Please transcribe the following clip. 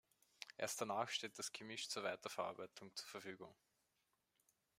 Erst danach steht das Gemisch zur Weiterverarbeitung zur Verfügung.